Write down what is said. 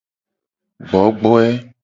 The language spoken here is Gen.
Gbogboe.